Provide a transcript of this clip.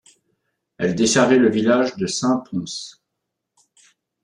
Elle desservait le village de Saint-Pons.